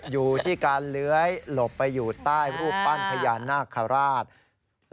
อยู่ที่การเลื้อยหลบไปอยู่ใต้รูปปั้นพญานาคาราช